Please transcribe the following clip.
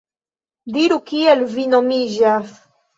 Diru, kiel vi nomiĝas?